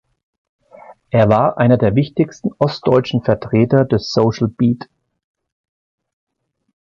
Er war einer der wichtigsten ostdeutschen Vertreter des Social Beat.